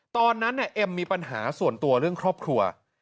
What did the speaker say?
ตอนนั้นเอ็มมีปัญหาส่วนตัวเรื่องครอบครัว